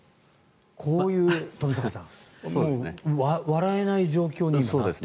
こういう富坂さん笑えない状況になっている。